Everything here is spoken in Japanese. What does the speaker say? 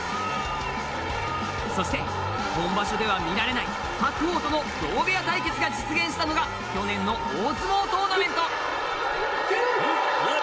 そして本場所では見られない白鵬との同部屋対決が実現したのが去年の大相撲トーナメント。